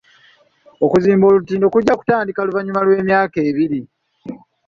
Okuzimba olutindo kujja kutandika oluvannyuma lw'emyaka ebiri.